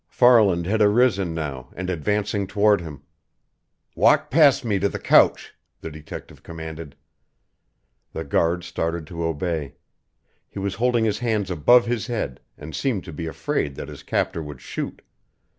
Farland had arisen now, and advancing toward him. "Walk past me to the couch!" the detective commanded. The guard started to obey. He was holding his hands above his head and seemed to be afraid that his captor would shoot.